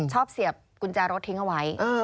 เสียบกุญแจรถทิ้งเอาไว้